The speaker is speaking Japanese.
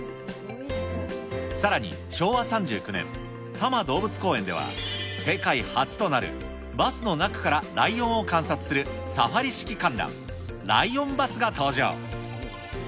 さらに、昭和３９年、多摩動物公園では世界初となる、バスの中からライオンを観察するサファリ式観覧、ライオンバス登場。